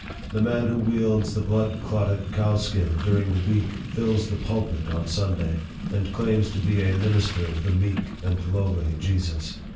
The man who wields the blood clotted cowskin during the week fills the pulpit on Sunday, and claims to be a minister of the meek and lowly Jesus.